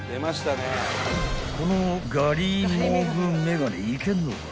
［このガリモグメガネいけんのか？］